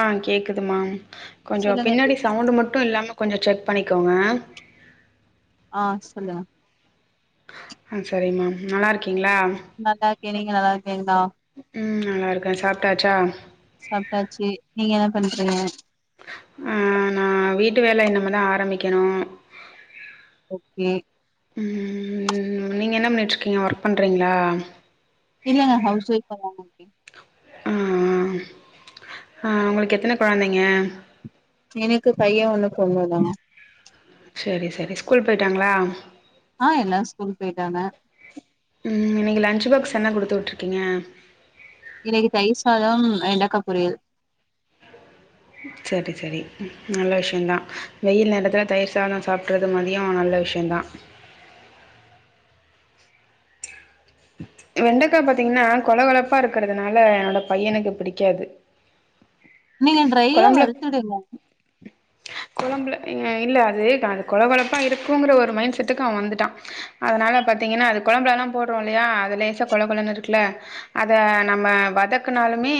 ஆ கேக்குதுமா கொஞ்சோ சொல்லுங்க எப்டி பின்னாடி இருக்கீங்க சவுண்டு மட்டு இல்லாம கொஞ்சோ செக் பண்ணிக்கோங்க ஆ சொல்லுங்க ஆ செரிங்க மேம் நல்லா இருக் கிங்ளா நல்லா நீங்க நல்லா இருக் உம் நல்லா இருக்கே சாப்ட்டாச்சா சாப்ட்டாச்சு நீங்க என்ன பண்றீங்க ஆ நா வீட் ட்டு வேல இன்னமேதா ஆரம்பிக்கணு ம் உம் நீங்க என்ன பண்ணிட்டு இருக்கீங்க ஒர்க் பண்றீங்ளா இல்லங்க ஹவுஸ் ஒய்ஃப்பா தாங்க இருக்கே உம் உம் ஆ உங்களுக்கு எத்தன கொழந்தைங்க எனக்கு பைய ஒன்னு பொண்ணு தா சரி-சரி ஸ்கூல் போயிட்டாங்ளா ஆ எல்லா ஸ்கூல் போயிட்டாங்க உம் இன்னைக்கு லன்ச் பாக்ஸ் என்ன குடுத்து விட்டுருக்கீங்க இன்னைக்கு தயிர் சாதம் வெண்டைக்கா பொரியல் சரி சரி நல்ல விஷயோந்தா வெயில் நேரத்துல தயிர் சாதம் சாப்டுறது மதியோ நல்ல விஷயோந்தா வெண்டக்கா பாத்தீங்கனா கொல கொழப்பா இருக்குறதுனால என்னோட பையனுக்கு பிடிக்காது நீங்க ட்ரையா வருத்துடுங்க கொழம்ல இல்ல அது-அது கொல கொலப்பா இருக்குங்கிற ஒரு மைண்ட் செட்டுக்கு அவ வந்துட்டான் அதனால பாத்தீங்கனா அது கொழம்புலலா போடுறோ இல்லையா அதுலேசா கொல கொலன்னு இருக்குல அத நம்ம வதக்குனாலுமே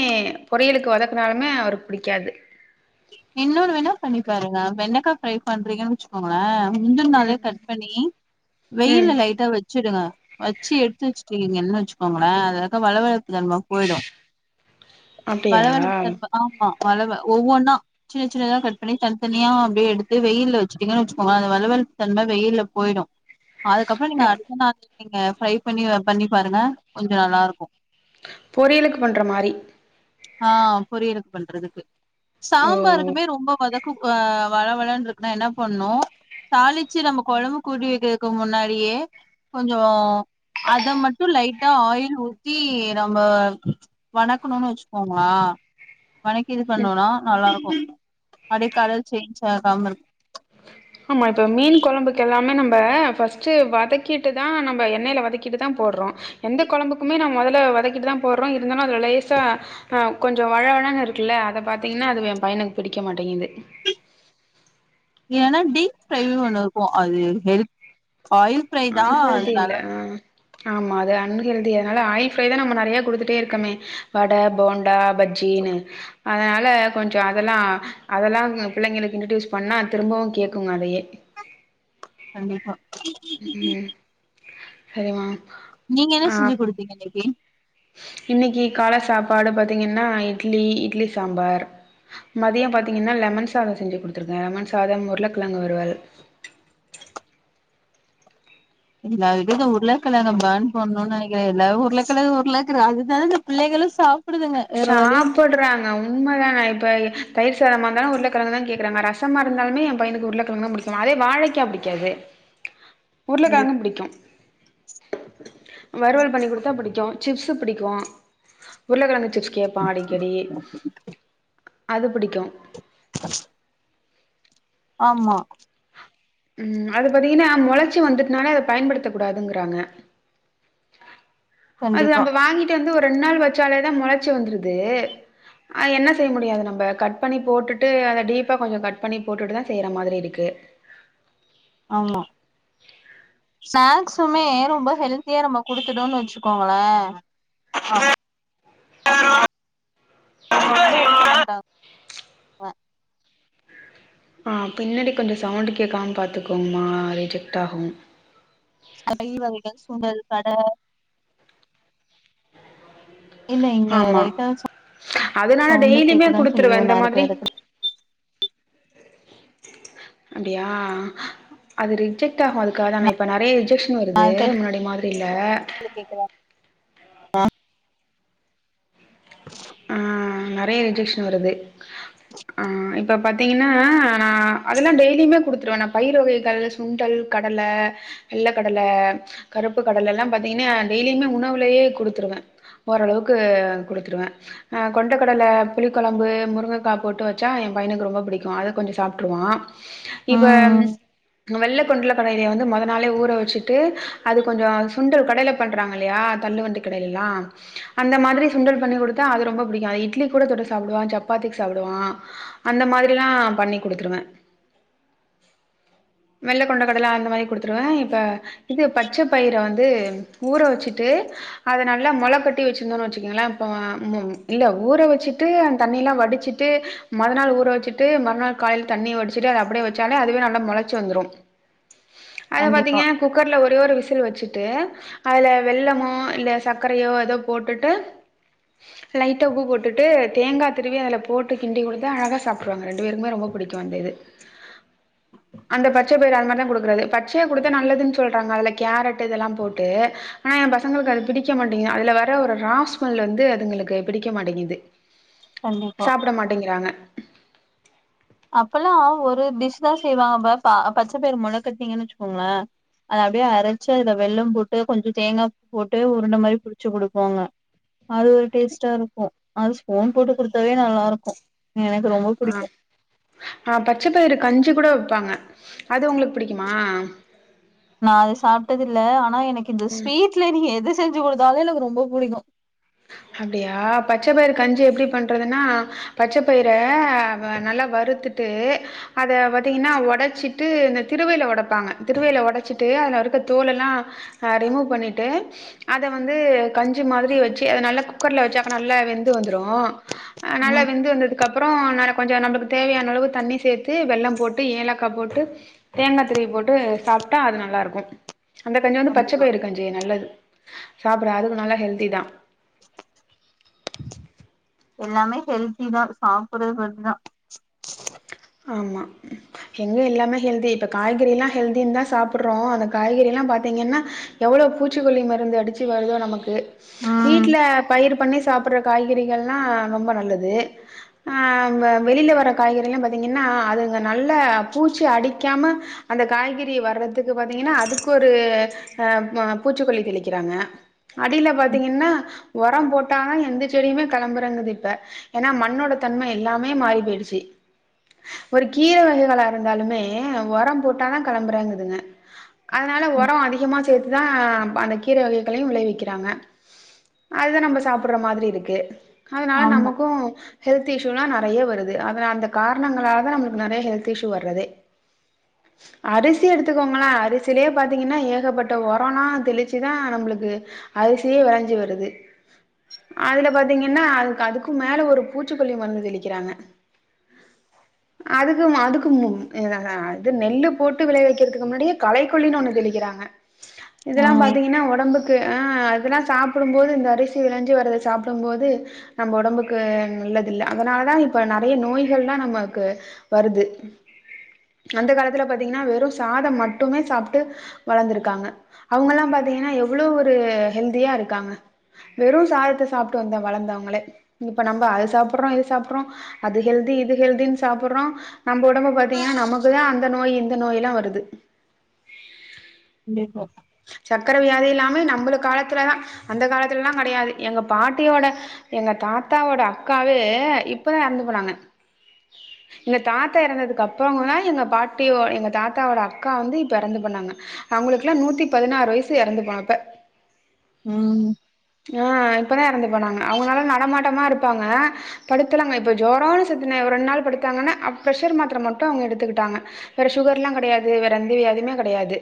பொறியலுக்கு வதக்குனாலுமே அவருக்கு புடிக்காது இன்னொன்னு வேனா பண்ணி பாருங்க வெண்டக்கா ஃப்ரை பண்றீங்கன்னு வச்சுக்கோங்க ஆ முந்தின நாளே ம் கட் பண்ணி ம் வெயில லைட்டா வெச்சுடுங்க வச்சு எடுத்து வச்சுட்டுங்கீங்கன்னு வச்சுக்கோங்ளே அதுல இருக்க வளவள தன்ம போயிடு அப்டியா வளவளப்பு தன்ம ஆமா வளவ ஒவ்வொன்னா சின்ன சின்னதா கட்பணி தனிதாதனியா அப்டியே எடுத்து வெயில வச்சட்டீங்கன்னு வச்சுக்கோங்களே அந்த வளவளப்பு தன்ம வெயில்ல போயிடு அதுக்கப்புறோ நீங்க அடுத்த நாள் நீங்க ஃப்ரை பண்ணி பண்ணி பாருங்க கொஞ்சோ நல்லா இருக்கு பொரியலுக்கு பண்ற மாரி ஆ பொரியலக்கு பண்றதுக்கு ஓ சாம்பாருக்குமே ரொம்ப வதக் குக் ஆ வள வளனு இருக்குன்னா என்ன பண்ணு தாளிச்சி நம்ம கொழம்பு கூட்டி வைக்கிறதுக்கு முன்னாடியே கொஞ்சோ அத மட்டு லைட்டா ஆயில் ஊத்தி நம்ப வணக்கணுன் வச்சுக்கோங்களா வனைக்கு இது பண்ணோனா நல்லா இருக்கு அடைக்கடல் சேஞ்ச ஆகாம இருக் ஆமா இப்ப மீன் கொழம்புக்கு எல்லாமே நம்ப பஸ்ட் வதக்கிட்டுதா நம்ப எண்ணெயில வதக்கிட்டுதா போடுறோ எந்த கொழம்புக்குமே நம்ம முதல வதக்கிட்டுதா போடுறோ இருந்தாலு அதுல லேசா ஆ கொஞ்சோ வழவழனு இருக்குல்ல அத பாத்தீங்கன்னா அது ஏ பையனுக்கு பிடிக்க மாட்டேங்குது ஏன்னா டீப் ஃப்ரைவ் ஒண்ணு இருக்கு அது ஹெல் ஆயில் ஃப்ரைதா அன்ஹெல்தி அதனால இல்ல ஆ ஆமா அது அன் ஹெல்தி அதனால ஆயில் ஃப்ரைதா நம்ம நெறைய குடுத்துட்டே இருக்கமே வட போண்டா பஜ்ஜின்னு அதனால கொஞ்சோ அதெல்லா அதெல்லா பிள்ளைங்களுக்கு இன்ட்ரடியூஸ் பண்ணா திரும்பவு கேக்குங்க அதயே கண்டிப்பா ம் ம் சரிமா நீங்க என்ன செஞ்சி குடுத்தீங்க இன்னிக்கு இன்னிக்கு கால சாப்பாடு பாத்தீங்கன்னா இட்லி இட்லி சாம்பார் மதியம் பாத்தீங்கன்னா லெமன் சாதம் செஞ்சு குடுத்துருக்கே லெமன் சாதம் உருளக்கிழங்கு வருவல் எல்லா வீட்டுக்கு உருளக்கழங்க பேன் பண்ணுனு நெனைக்கிறே எல்லா உருளக்கழ உருள இருக்கற அதுதான இந்த பிள்ளைகளு சா சாப்படறாங்க உண்மதான இப்ப தயிர் சாதமா இருந்தாலு உருளக்கிழங்கதா கேக்குறாங்க ரசமா இருந்தாலு என் பையனுக்கு உருளக்கெழங்கன புடிக்குமா அதே வாழைக்கா பிடிக்காது இல்ல உருளக்கழங்கு பிடிக்கு [inaudible] வறுவல் பண்ணி குடுத்தா புடிக்கு சிப்ஸ் புடிக்கு உருளக்கழங் சிப்ஸ் கேப்பா அடிக்கடி அது பிடிக்கு [inaudible] ஆமா ம் அது பாத்தீங்கன்னா முளச்சி வந்துட்டுனாலே அத பயன்படுத்த கூடாதுங்கறாங்க அது கண்டிப்பா நம்ப வாங்கிட்டு வந்து ஒரு ரெண்டு நாள் வச்சாலேதா மொளச்சி வந்துருது ஆ என்ன செய்ய முடியாது நம்ம கட் பண்ணி போட்டுட்டு அத டீப்பா கொஞ்சோ கட் பண்ணி போட்டுட்டுதா செய்யற மாதிரி இருக்கு ஆமா ஸ்நாக்சுமே ரொம்ப ஹெல்தியா நம்ம குடுத்துட்டோன் வச்சிக்கோங்கள மாட்டாங்க ஆ பின்னாடி கொஞ்சோ சவுண்டு் கேட்காம பாத்துக்கோங்கமா ரிஜெக்ட் ஆகு பயிறு வகைகள் சுண்டல் கட இல்ல இங்க ஆமா லைட்டா அதுனால சவுண்டு டெய்லியுமே கேக்கதா குடுத்துருவே செய்யு இந்த நா மாதிரி இருக்க எடத்துல அப்டியா அது ரிஜெக்ட் ஆகு அதுக்காகதா நா இப்ப நறய ரி ஜெக்ஷன் நா வருது இருக்க முன்னாடி மாதிரி இல்ல எடத்துல கேக்குதா ம் ந றைய ரிஜக்க்ஷன் வருது ஆ இப்ப பாத்தீங்கன்னா நா அதெல்லா டெய்லியுமே குடுத்துருவே நா பயிறுகைகள், சுண்டல், கடல, வெள்ள கடல, கருப்பு கடலல்லாம் பாத்திங்கன்னா டெய்லியுமே உணவுலயே குடுத்துருவே ஓரளவுக்கு குடுத்துருவே அ கொண்டக்கடல புளி கொழம்பு முருங்கக்கா போட்டு வச்சா எ பையனுக்கு ரொம்ப புடிக்கு அத கொஞ்சொ சாப்ட்ருவா இப்ப ம் வெள்ள கொண்டுல கடலய வந்து மொதநாளே ஊற வச்சுட்டு அது கொஞ்சொ சுண்டல் கடைல பண்றாங்கல்லயா தள்ளு வண்டி கடைலெல்லா அந்த மாதிரி சுண்டல் பண்ணி குடு த்தா அது ரொம்ப புடிக்கு இட்லி கூட தொட்டு சாப்டுவா சப்பாத்திக் சாப்டுவா அந்த மாதிரிலா பண்ணி குடுத்துருவே வெள்ள கொண்ட கடல அந்த மாதிரி குடுத்துருவே இப்ப இது பச்ச பயிர வந் து ஊற வச்சுட்டு அத நல்லா மொள கட்டி வச்சிருந்தோன் வச்சுக்கங்ளே இப்ப ம் இல்ல ஊற வச்சிட்டு அந் தண்ணி எல்லா வடுச்சிட்டு மொதநாள் ஊற வச்சுட்டு மறுநாள் காலைல தண்ணி வடுச்சிட்டு அது அப்டியே வச்சாலே அதுவே நல்லா மொளைச்சு வந்துரு அத கண்டிப்பா பாத்தீங்க குக்கர்ல ஒரே ஒரு விசில் வச்சு ட்டு அதுல வெல்லமோ இல்ல சக்கரயோ எதோ போட்டுட்டு லைட்டா உப்பு போட்டுட்டு தேங்கா துருவி அதுல போட்டு கிண்டி குடுத்தா அழகா சாப்ட்ருவாங்க ரெண்டு பேருக்குமே ரொம்ப புடிக்கு அந்த இது அந்த பச்சபயிறு அது மாரி தா குடுக்கறது பச்சயா குடுத்தா நல்லதுன் சொல்றாங்க அதுல கேரட் இதெல்லா போட்டு ஆனா எ பசங்களுக்கு அது பிடிக்க மாட்டேங்து அதுல வர ஒரு ரா ஸ்மெல் வந்து பசங்களுக்கு பிடிக்க மாட்டெங்குது கண்டிப்பா சாப்ட மாட்டேங்கிறாங்க அப்பல்லா ஒரு டிஷ் தா செய்வாங்க பா பச்சப்பயிர் மொள கட்னிங்கன் வச்சுக்கோங்ளே அத அப்டியே அரச்சு அதுல வெல்லம் போட்டு கொஞ்சொ தேங்காப் போட்டு உருண்ட மாரி புடிச்சு குடுப்பாங்க அது ஒரு டேஸ்ட்டா இருக்கு அது ஸ்பூன் போட்டு குடுத்தாவே நல்லாருக்கு எனக்கு ரொம்ப ஆ புடிக்கு ஆ பச்சபயிறு கஞ்சி கூட வப்பாங்க அது உங்களுக் புடிக்குமா? நா அது சாப்டதில்ல ஆனா என க்கு இந்த ஸ்வீட்ல நீங்க எது செஞ்சி குடு த்தாலு எனக்கு ரொம்ப புடிக்கு அப்டியா பச்சப்பயிறு கஞ்சி எப்டி பண்றதுன்னா பச்சப்பயிற நல்லா வறுத்துட்டு அத பாத்தீங்கன்னா ஒடச்சிட்டு இந்த திருவைல ஒடப்பாங்க திருவைல ஒடச்சிட்டு அதுல இருக்க தோலல்லா ரிமூவ் பண்ணிட்டு அத வந்து கஞ்சு மாதிரி வச்சு அத நல்லா குக்கர்ல வச்சாக்கா நல்லா வெந்து வந்துரு அ நல்லா ம் வெந்து வந்தது க்கப்றொ நல்ல கொஞ்ச நம்மளுக்கு தேவையான அளவு தண்ணி சேத்து வெல்லம் போட்டு ஏலக்கா போட்டு தேங்கா துருவி போட்டு சாப்டா அது நல்லாருக்கு அந்த கஞ்சி வந்து பச்ச கண்டிப்பா பயிறு கஞ்சி நல்லது சாப்புறோ அதுக்கு நல்லா ஹெல்தி தா எல்லாமே ஹெல்தி தா சாப்புர்றது பொறுத்துதா ஆமா எங்க எல்லாமே ஹெல்தி இப்ப காய்கறிலா ஹெல்தின் தா சாப்புர்றோ அந்த காய்கறிலா பாத்தீங்கன்னா எவ்ளோ பூச்சிக்கொல்லி மருந்து அடிச்சு வருதோ நமக்கு ம் வீட்ல பயிர் பண்ணி சாப்பிடுற காய்கறிகள்லா ரொம்ப நல்லது ஆ வெளில வர காய்கறிலா பாத் பாத்தீங்கனா அதுங்க நல்ல பூச்சி அடிக்காம அந்த காய்கறி வர்றதுக்கு பாத்தீங்கனா அதுக்கு ஒரு ஆ பூச்சிக்கொல்லி தெளிக்குறாங்க அடியில பாத்தீங்கனா ஒரம் போட்டாதா எந்த செடியுமே கிளம்புறது இல்ல இப்ப ஏனா மண்ணோட தன்ம எல்லாமே மாறி போயிடுச்சு ஒரு கீர வகைகளா இருந்தாலுமே ஒரம் போட்டாதா கெளம்புறேங்குதுங்க அதனால ஒரோ அதிகமா சேத்து இதா அந்த கீர வகைகளையு விளைவிக்கிறாங்க அதுதா நம்ம சாப்ற மாரி இருக்கு அதனால ஆமா நமக்கு ஹெல்த்து இஷ்யூலா நெறய வருது அத அந்த கார காரணங்களாலா நமக்கு நெறய ஹெல்த் இஷ்யூ வர்றதே அரிசி எடுத்துக்கோங்களே அரிசிலயே பா்த்தீங்கனா ஏகப்பட்ட ஒரோல்லா தெளிச்சுதா நம்மளுக்கு அரிசியே வெளஞ்சி வருது அதுல பாத்தீங்கனா அது அதுக்கும் மேல ஒரு பூச்சிக்கொல்லி மருந்து தெளிக்குறாங்க அதுக்கு அதுக்கும் அது நெல்லு போட்டு விளைய வெக்குறதுக்கு முன்னாடியே களை கொல்லின்னு ஒன்னு தெளிக்குறாங்க ஆ இதெல்லா பாத்தீங்கனா ஒடம்புக்கு ஆ அதெல்லா சாப்பிடும்போது இந்த அரிசி விளைஞ்சி வர்து சாப்பிடும் போது நம்ம ஒடம்புக்கு நல்லது இல்ல அதனாலதா இப்ப நெறய நோய்கள் தா நம்ம வருது அந்த காலத்ல பாத்தீங்னா வெறும் சாதம் மட்டுமே சாப்ட்டு வளர்ந்துருக்காங்க அவுங்க எல்லா பாத்தீங்கனா எவ்ளவு ஒரு ஹெல்தியா இருக்காங்க வெறு சாதத்த சாப்ட்டு வந்து வளர்ந்தவங்களே இப்ப நம்ம அது சாப்புறோ இது சாப்புறோ அது ஹெல்தி இது ஹெல்தி சாப்புட்றோ நம்ம ஒடம்ப பாத்தீங்கனா நமக்குதா அந்த நோய் இந்த நோய் எல்லா வருது கண்டிப்பா சக்கர வியாதி இல்லாமே நம்மளு காலத்துலதா அந்த காலத்துலல்லா கெடயாது எங்க பாட்டியோட எங்க தாத்தாவோட அக்காவே இப்பதா எறந்து போனாங்க எங்க தாத்தா இறந்ததுக்கு அப்புற கொஞ்ச நாள் எங்க பாட்டியோ எங்க தாத்தாவோட அக்கா வந்து இப்ப இறந்து போனாங்க அவுங்களுக்கெலா நூத்தி பதினாறு வயசு எறந்து போனப்ப உம் ஆ இப்பதா எறந்து போனாங்க அவுங்கனால நடமாட்டமா இருப்பாங்க படுத்துலாங்க இப்ப ஜோரான சத்தன ரெண்டு நாள் படுத்தாங்கனா பிர்ரெஷர் மாத்ர மட்டு அவுங்க எடுத்துக்கிட்டாங்க வேற சுகர் எல்லா கெடயாது வேற அந்த வியாதியுமே கெடயாது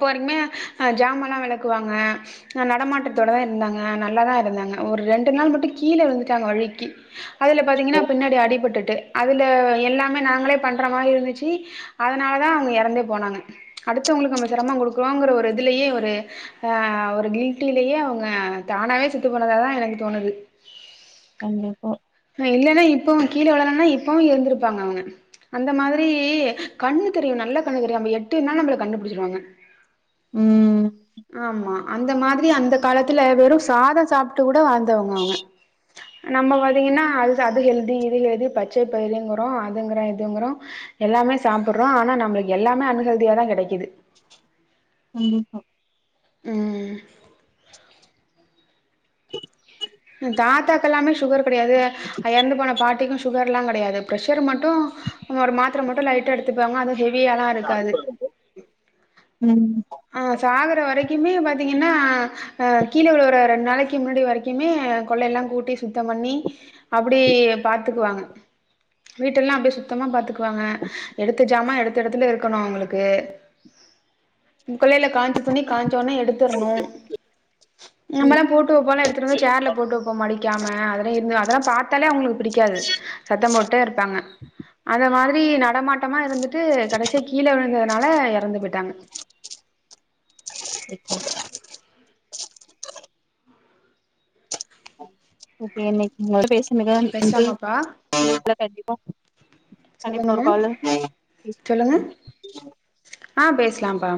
இப்போ வரைக்குமே ஆ ஜாமான்ல்லா வெளக்குவாங்க நடமாட்டத்தோட தா இருந்தாங்க நல்லாதா இருந்தாங்க ஒரு ரெண்டு நாள் மட்டு கீழ விழுந்துட்டாங்க வழுக்கி அதுல பாத்திங்கனா பின்னாடி அடிபட்டுட்டு அதுல எல்லாமே நாங்களே பண்ற மாரி இருந்துச்சு அதனால தா அவுங்க எறந்தே போனாங்க அடுத்துவங்களுக்கு நம்ம செரம கொடுக்க இருக்கோங்ற ஒரு இதுலயே ஒரு ஆ ஒரு கில்ட்டிலேயே அவுங்க தானாவே செத்து போனத தா எனக்கு தோணுது கண்டிப்பா இல்லன்னா இப்பவு கீழ விளலன்னா இப்பவு இருந்திருப்பாங்க அவுங்க அந்த மாதிரி கண்ணு தெரியும் நல்ல கண்ணு தெரியும் எட்டி இருந்தாலு நம்மள கண்டுபிடிச்சிருவாங்க ம் ஆமா அந்த மாதிரி அந்த காலத்ல வெறு சாதம் சாப்பிட்டு கூட வாழ்ந்தவங்க அவுங்க நம்ம பாத்தீங்கனா அது அது ஹெல்தி இது ஹெல்தி பச்சையிரிங்குறோ அதுங்றோ இதுங்குறோ எல்லாமே சாப்புட்றோ ஆனா நம்மளுக்கு எல்லாமே அன்ஹெல்தியா தா கெடைக்குது கண்டிப்பா உம் [inaudible] தாத்தாக்கு எல்லாமே சுகர் எப்டியாவது எறந்து போன பாட்டிக்கு சுகர் எல்லா கெடயாது பிரஷர் மட்டு ஒரு மாத்ர மட்டு லைட்டா எடுத்துகுவாங்க அது ஹெவியாலா இருக்காது ம் அ சாகுர வரைக்குமே பாத்தீங்கன்னா அ கீழ விழுகுற ஒரு ரெண்டு நாளைக்கு முன்னாடி வரைக்குமே கொள்ளைய எல்லா கூட்டி சுத்தம் பண்ணி அப்டி பாத்துக்குவாங்க வீட்டெல்லா அப்டியே சுத்தமா பாத்துக்குவாங்க எடுத்த ஜாமா எடுத்த எடத்துல இருக்கணு அவுங்களுக்கு கொள்ளைய காயஞ்சு துணி காயஞ்சோனே எடுத்துடணும் நம்மல்லாம் போட்டு வைப்போல்லாம் எடுத்துட்டு வந்து சேர்ல போட்டு வைப்போம் மடிக்காம அதெல்லாம் இருந்து அத பார்த்தாலே அவுங்களுக்கு புடிக்காது சத்தம் போட்டே இருப்பாங்க அது மாதிரி சுத்தி நடமாட்டமா இருந்து து கடைசியா கீழ விழுந்து னால எறந்து போயிட்டாங்க ஓகே இப்ப என்னைக்கும் போல பேசு நன்றி பேசலாமாப்பா கண்டிப்பா கண்டிப்பா கண்டிப்பா சொல்லுங்க இன்னொரு மேம் கால்ல சொல்லுங்க பேசுவோ ஆ பேசலாம்ப்பா